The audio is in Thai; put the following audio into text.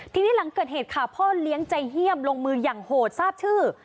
ทีนี้หลังเกิดเหตุค่ะพ่อเลี้ยงใจเฮี่ยมลงมืออย่างโหดทราบชื่อ